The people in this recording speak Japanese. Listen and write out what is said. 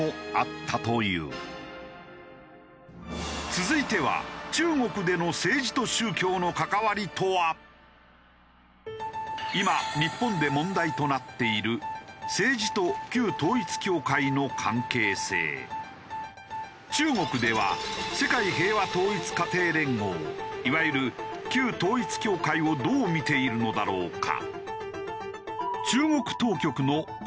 続いては今日本で問題となっている中国では世界平和統一家庭連合いわゆる旧統一教会をどう見ているのだろうか？